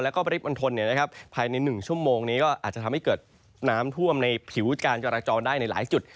แล้วก็ปริมณฑลภายใน๑ชั่วโมงนี้ก็อาจจะทำให้เกิดน้ำท่วมในผิวการจราจรได้ในหลายจุด